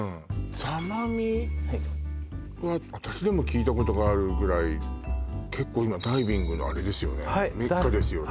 座間味は私でも聞いたことがあるぐらい結構今ダイビングのあれですよねメッカですよね